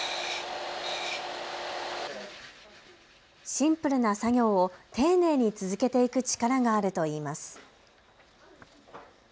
シンプルな作業を丁寧に続けていく力があるといいます。